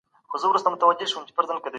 زه د خپل پلار درناوی کوم.